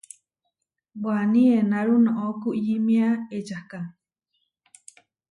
Waní enáru noʼó kuyímia ečaká.